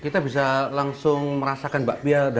jadi bagaimana rasanya